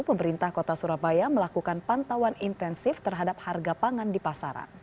pemerintah kota surabaya melakukan pantauan intensif terhadap harga pangan di pasaran